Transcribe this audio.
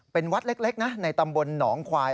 เป็นวัดเล็กนะในตำบลหนองควาย